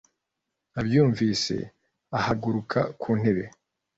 abyumvise ahaguruka ku ntebe